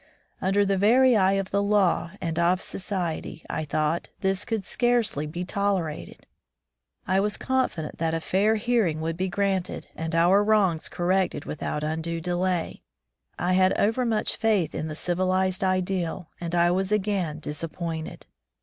Under the very eye of the law and of society, I thought, this could scarcely be tolerated. I was confident that a fair hearing would be granted, and our wrongs corrected without undue delay. I had overmuch faith in the civilized ideal, and I was again disappointed.